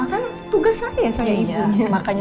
itu kan tugas saya sama ibunya